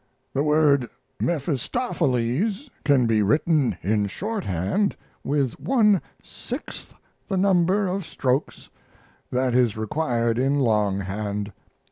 The word Mephistopheles can be written in shorthand with one sixth the number of strokes that is required in longhand.